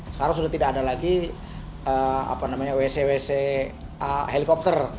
sekarang sudah tidak ada lagi wc wc helikopter